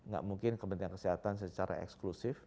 gak mungkin kementerian kesehatan secara eksklusif